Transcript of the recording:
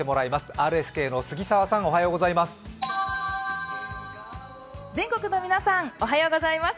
ＲＳＫの杉澤さん、おはようございます。